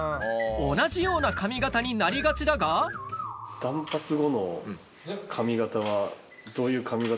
同じような髪形になりがちだがの髪形は。